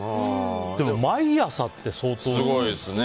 でも毎朝って相当だよね。